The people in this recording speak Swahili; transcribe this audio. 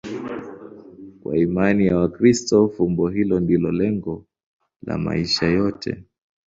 Kwa imani ya Wakristo, fumbo hilo ndilo lengo la maisha yote.